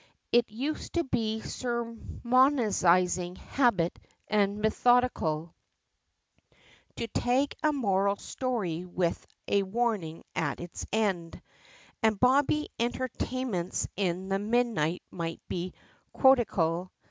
It used to be a sermonising habit, and methodical, To tag a moral story, with a warning at its end And bobbie entertainments in the midnight, might be quodical!